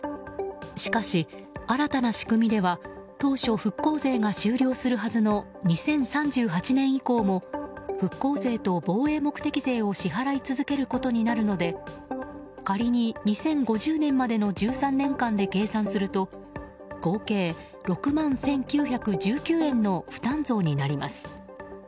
しかし、新たな仕組みでは当初、復興税が終了するはずの２０３８年以降も復興税と防衛目的税を支払い続けることになるので仮に２０５０年までの１３年間で計算すると合計６万１９１９円の負担増になります。